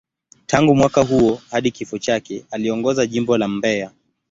Tangu mwaka huo hadi kifo chake, aliongoza Jimbo la Mbeya.